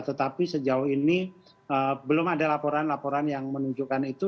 tetapi sejauh ini belum ada laporan laporan yang menunjukkan itu